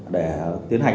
để tiến hành